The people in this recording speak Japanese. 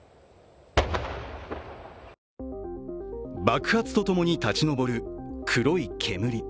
爆発とともに立ち上る黒い煙。